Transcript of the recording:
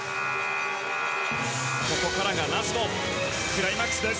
ここからがラストクライマックスです。